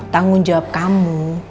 tanggung jawab kamu